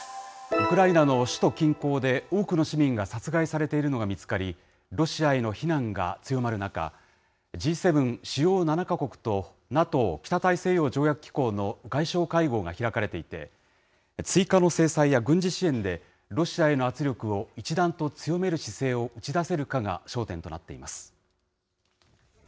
ウクライナの首都近郊で、多くの市民が殺害されているのが見つかり、ロシアへの非難が強まる中、Ｇ７・主要７か国とＮＡＴＯ・北大西洋条約機構の外相会合が開かれていて、追加の制裁や軍事支援で、ロシアへの圧力を一段と強める姿勢を打ち出せるかが焦点となっています。